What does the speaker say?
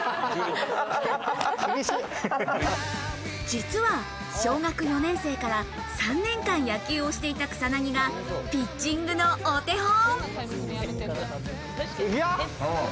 実は、小学４年生から３年間野球をしていた草薙がピッチングのお手本。